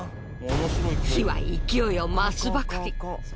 火は勢いを増すばかり。